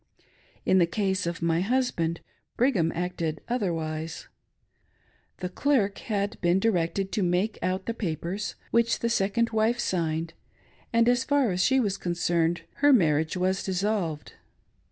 In the case of my husband, Brigham acted otherwise. The clerk had been directed to make out the pa pers, which the second wife signed, and, as far as she was con cerned, her marriage was dissolved.